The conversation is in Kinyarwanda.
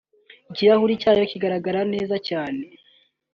ikirahuri cyayo kigaragara neza cyane